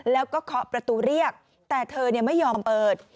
แล้วก็เคาะประตูเรียกแต่เธอไม่ยอมเปิด